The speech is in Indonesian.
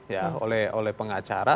ya oleh pengacara